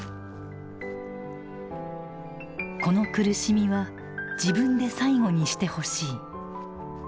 「この苦しみは自分で最後にしてほしい」。